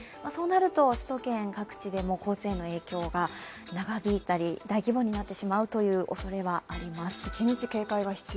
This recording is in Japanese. そうなると首都圏各地でも降水への影響が長引いたり、大規模になってしまうというおそれはあります。